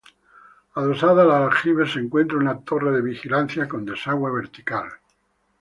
Adosada al aljibe se encuentra una torre de vigilancia con desagüe vertical.